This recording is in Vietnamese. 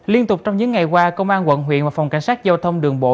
liên tục trong những ngày qua công an quận huyện và phòng cảnh sát giao thông đường bộ